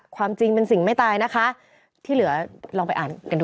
ความจริงเป็นสิ่งไม่ตายนะคะที่เหลือลองไปอ่านกันดู